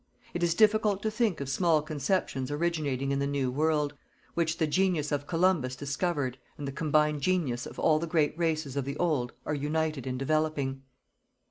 It is difficult to think of small conceptions originating in the New World, which the genius of Columbus discovered and the combined genius of all the great races of the Old are united in developing.